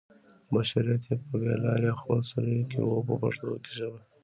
بشریت په بې لارۍ او خپل سرویو کې و په پښتو ژبه.